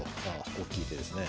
大きい手ですね。